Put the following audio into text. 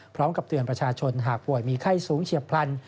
พร้อมกับเตือนประชาชนหากป่วยมีไข้สูงเฉียบพลัน